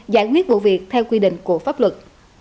giải quyết vụ việc theo quy định của pháp luật